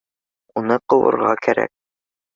Уны ҡыуырға кәрәк